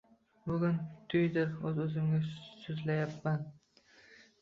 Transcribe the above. Bugun tuydir uz-uzimga suzlayapman